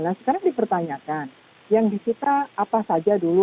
nah sekarang dipertanyakan yang disita apa saja dulu